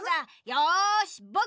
よしぼくが！